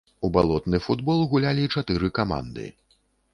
У балотны футбол гулялі чатыры каманды.